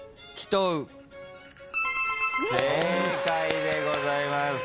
正解でございます。